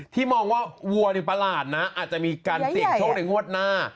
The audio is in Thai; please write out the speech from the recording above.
มองว่าวัวนี่ประหลาดนะอาจจะมีการเสี่ยงโชคในงวดหน้า